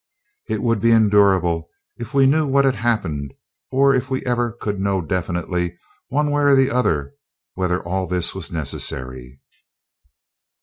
"It would be endurable if we knew what had happened, or if we ever could know definitely, one way or the other, whether all this was necessary."